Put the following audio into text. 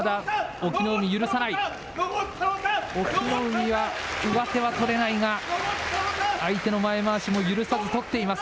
隠岐の海は上手は取れないが、相手の前まわしも許さず取っています。